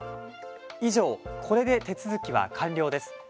以上、これで手続きは完了です。